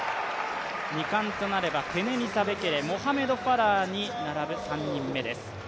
２冠となればケネニサ・べケレ、モハメド・ファラーに並ぶ３人目です。